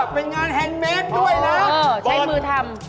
เป็นงานแฮนดเมสด้วยนะใช้มือทำ